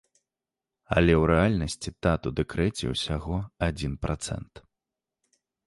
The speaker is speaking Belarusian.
Але ў рэальнасці тат у дэкрэце ўсяго адзін працэнт.